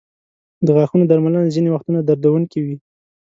د غاښونو درملنه ځینې وختونه دردونکې وي.